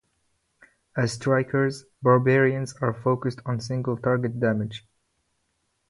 As strikers, barbarians are focused on single target damage.